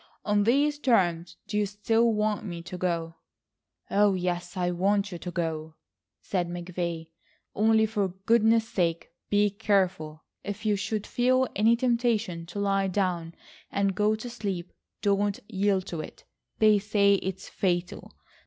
On these terms do you still want me to go?" "Oh, yes, I want you to go," said McVay, "only for goodness sake be careful. If you should feel any temptation to lie down and go to sleep don't yield to it; they say it's fatal.